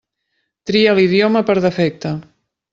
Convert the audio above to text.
Tria l'idioma per defecte.